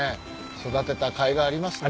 育てたかいがありますね。